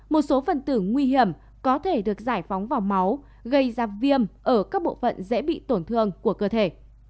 một số phần tử nguy hiểm có thể được giải phóng vào máu gây ra viêm ở các bộ phận dễ bị tổn thương của cơ thể